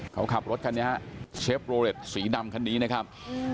เขาขับรถคันนี้ฮะเชฟโรเล็ตสีดำคันนี้นะครับ